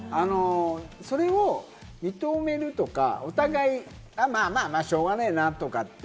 それを認めるとか、お互い、まぁ、しょうがねなとかって。